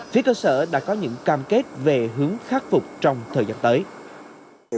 phía cơ sở đã có những cam kết về hướng khắc phục trong thời gian tới